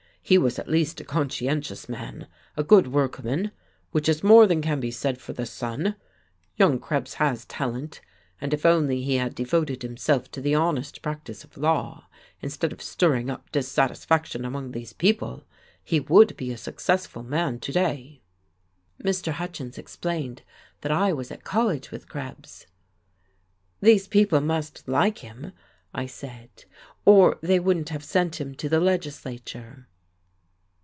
He was at least a conscientious man, a good workman, which is more than can be said for the son. Young Krebs has talent, and if only he had devoted himself to the honest practice of law, instead of stirring up dissatisfaction among these people, he would be a successful man to day." Mr. Hutchins explained that I was at college with Krebs. "These people must like him," I said, "or they wouldn't have sent him to the legislature."